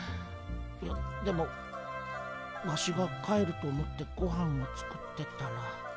いやでもワシが帰ると思ってごはんを作ってたら。